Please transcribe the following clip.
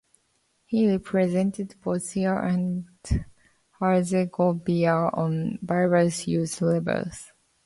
He represented Bosnia and Herzegovina on various youth levels.